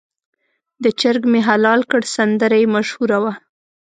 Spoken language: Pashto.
د چرګ مې حلال کړ سندره یې مشهوره وه.